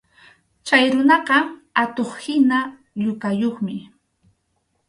Chay runaqa atuq-hina yukakuqmi.